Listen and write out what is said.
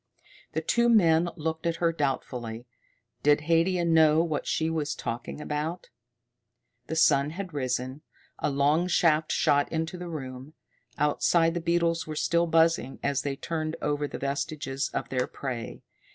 The two men looked at her doubtfully. Did Haidia know what she was talking about? The sun had risen. A long shaft shot into the room. Outside the beetles were still buzzing as they turned over the vestiges of their prey.